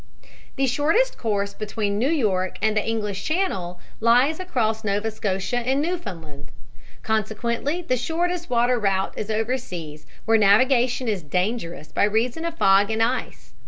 "The shortest course between New York and the English Channel lies across Nova Scotia and Newfoundland. Consequently the shortest water route is over seas where navigation is dangerous by reason of fog and ice.